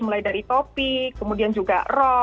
mulai dari topik kemudian juga rock